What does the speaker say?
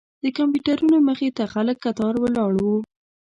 د کمپیوټرونو مخې ته خلک کتار ولاړ وو.